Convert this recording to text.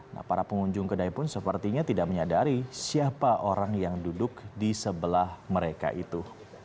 nah para pengunjung kedai pun sepertinya tidak menyadari siapa orang yang duduk di sebelah mereka itu